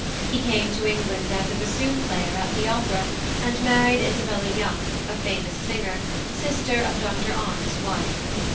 He came to England as a bassoon player at the opera, and married Isabella Young, a famous singer, sister of Dr Arne's wife.